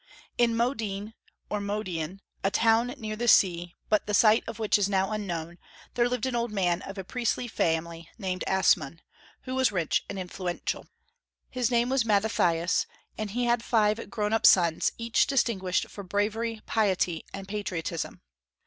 In Modin, or Modein, a town near the sea, but the site of which is now unknown, there lived an old man of a priestly family named Asmon, who was rich and influential. His name was Mattathias, and he had five grown up sons, each distinguished for bravery, piety, and patriotism.